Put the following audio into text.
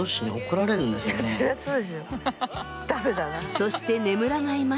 そして眠らない街